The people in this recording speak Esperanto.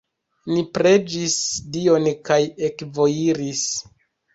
Ni preĝis Dion kaj ekvojiris.